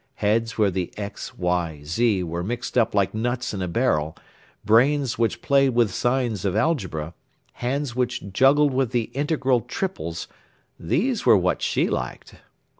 Heads where the X, Y, Z were mixed up like nuts in a barrel, brains which played with signs of algebra, hands which juggled with the integral triples, these were what she liked.